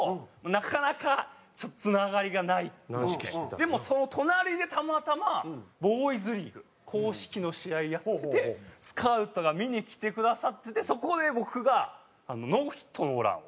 でもその隣でたまたまボーイズリーグ硬式の試合やっててスカウトが見に来てくださっててそこで僕がノーヒットノーランを。